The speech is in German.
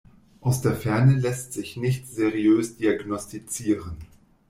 Aus der Ferne lässt sich nichts seriös diagnostizieren.